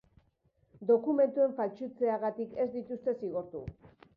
Dokumentuen faltsutzeagatik ez dituzte zigortu.